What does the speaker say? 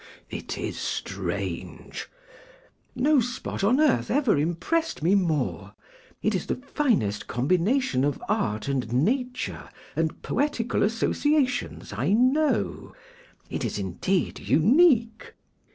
'It is strange.' 'No spot on earth ever impressed me more. It is the finest combination of art and nature and poetical associations I know; it is indeed unique.